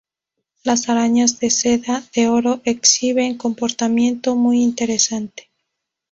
Las arañas de seda de oro exhiben comportamiento muy interesante.